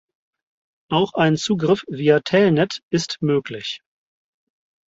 Auch ein Zugriff via Telnet ist möglich.